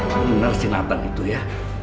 benar sih nathan itu ya